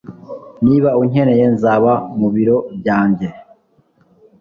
Niba unkeneye nzaba mubiro byanjye